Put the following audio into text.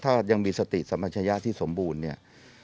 ถ้ายังมีสติสัมปัชยะที่สมบูรณ์เนี่ย